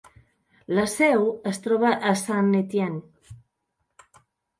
La seu es troba a Saint-Étienne.